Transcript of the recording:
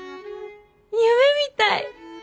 夢みたい！